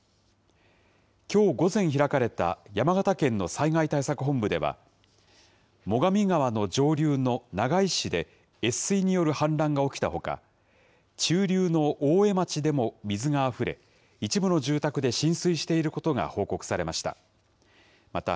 きょう午前開かれた、山形県の災害対策本部では、最上川の上流の長井市で、越水による氾濫が起きたほか、中流の大江町でも水があふれ、一部の住宅で浸水していることが報告されました。